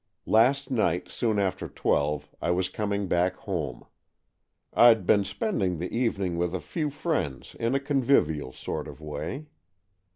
Last night, soon after twelve, I was coming back home. Fd been spending the evening with a few friends in a convivial sort of way.